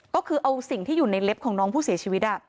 ก็คือเอาสิ่งที่อยู่ในเล็บของน้องผู้เสียชีวิต